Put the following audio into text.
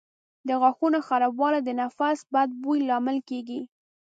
د غاښونو خرابوالی د نفس بد بوی لامل کېږي.